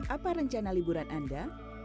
apa rencana liburan anda